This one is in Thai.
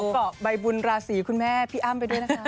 เกาะใบบุญราศีคุณแม่พี่อ้ำไปด้วยนะคะ